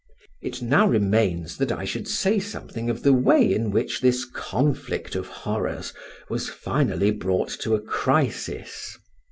It now remains that I should say something of the way in which this conflict of horrors was finally brought to a crisis.